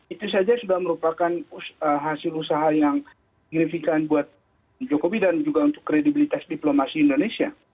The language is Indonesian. itu saja sudah merupakan hasil usaha yang signifikan buat jokowi dan juga untuk kredibilitas diplomasi indonesia